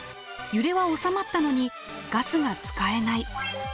揺れは収まったのにガスが使えない。